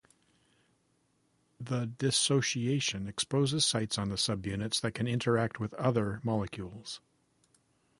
The dissociation exposes sites on the subunits that can interact with other molecules.